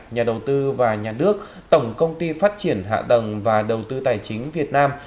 nhà đầu tư và nhà nước tổng công ty phát triển hạ tầng và đầu tư tài chính việt nam